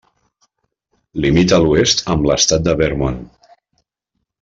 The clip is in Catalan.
Limita a l'oest amb l'estat de Vermont.